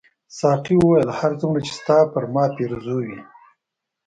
ساقي وویل هر څومره چې ستا پر ما پیرزو وې.